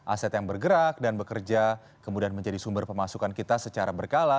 aset yang bergerak dan bekerja kemudian menjadi sumber pemasukan kita secara berkala